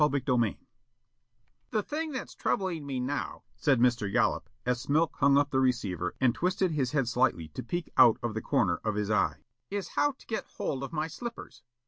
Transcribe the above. CHAPTER TWO "The thing that's troubling me now," said Mr. Yollop, as Smilk hung up the receiver and twisted his head slightly to peek out of the corner of his eye, "is how to get hold of my slippers.